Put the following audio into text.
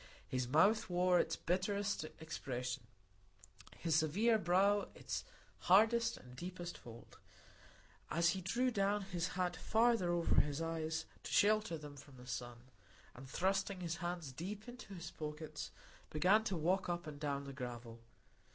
His mouth wore its bitterest expression, his severe brow its hardest and deepest fold, as he drew down his hat farther over his eyes to shelter them from the sun, and thrusting his hands deep into his pockets, began to walk up and down the gravel.